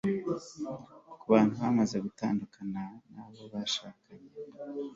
ku bantu bamaze gutandukana n'abo bashakanye